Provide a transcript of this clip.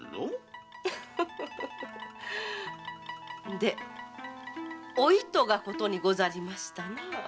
でお糸がことにございましたなあ。